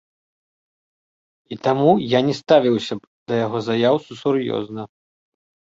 І таму я не ставіўся б да яго заяў сур'ёзна.